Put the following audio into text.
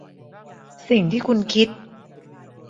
สิ่งที่คุณคิด